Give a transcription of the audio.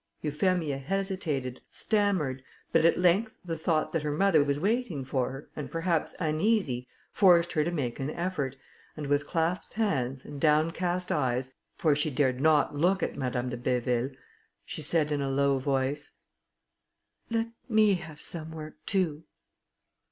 Euphemia hesitated, stammered, but at length the thought that her mother was waiting for her, and perhaps uneasy, forced her to make an effort, and with clasped hands, and downcast eyes, for she dared not look at Madame de Béville, she said in a low voice, "Let me have some work too."